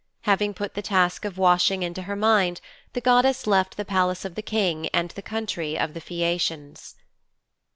Having put the task of washing into her mind, the goddess left the Palace of the King and the country of the Phæacians.